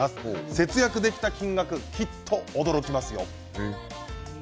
節約できた金額きっと驚きますよ。